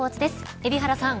海老原さん